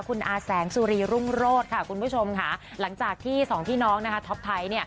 คุณอาแสงจุรีรุ่งโรธคุณผู้ชมหลังจากที่๒พี่น้องท็อปไทซ์